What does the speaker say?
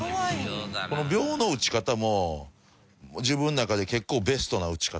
この鋲の打ち方も自分の中で結構ベストな打ち方。